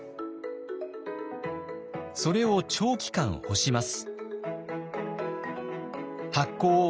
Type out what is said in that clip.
それを長期間干します。